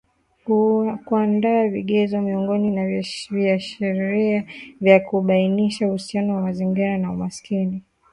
Kuandaa vigezo miongozo na viashiria vya kubainisha uhusiano wa mazingira na umaskini